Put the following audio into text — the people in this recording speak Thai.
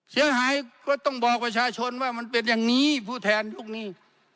เสียหายก็ต้องบอกประชาชนว่ามันเป็นอย่างนี้ผู้แทนยุคนี้